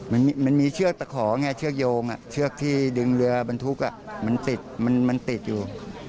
มันมีเชือกตะขอไงเชือกโยงเชือกที่ดึงเรือบรรทุกมันติดมันติดอยู่